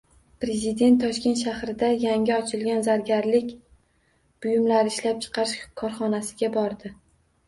Prezident Toshkent shahrida yangi ochilgan zargarlik buyumlari ishlab chiqarish korxonasiga bordi